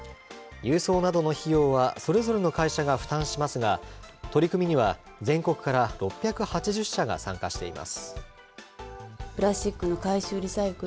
郵送などの費用は、それぞれの会社が負担しますが、取り組みには全国から６８０社が参加しています。